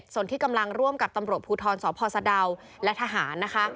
ส่วนที่กำลังร่วมกับตำรวจภูทรสพสะดาวและทหารนะคะ